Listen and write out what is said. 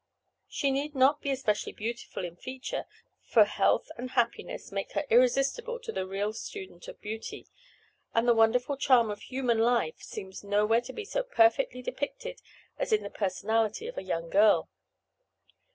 She need not be especially beautiful in feature, for health and happiness make her irresistible to the real student of beauty, and the wonderful charm of human life seems nowhere to be so perfectly depicted as in the personality of a young girl.